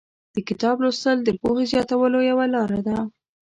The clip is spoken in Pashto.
د کتاب لوستل د پوهې زیاتولو یوه لاره ده.